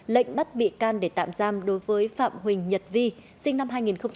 lệnh bắt bị can để tạm giam đối với phạm huỳnh nhật vi sinh năm hai nghìn